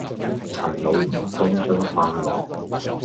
陳老五送進飯來，